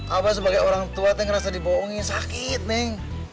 abah sebagai orang tua neng ngerasa diboongin sakit neng